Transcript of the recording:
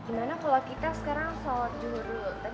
gimana kalau kita sekarang sholat dulu